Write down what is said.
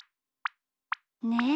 ねえ。